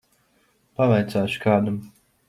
Pavaicāšu kādam.